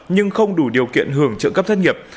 nhưng không đủ điều kiện hưởng trợ cấp thất nghiệp